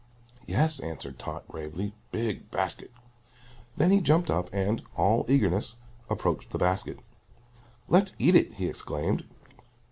"Yes," answered Tot, gravely, "big basket!" Then he jumped up and, all eagerness, approached the basket. "Let's eat it!" he exclaimed.